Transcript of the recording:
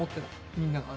みんなが。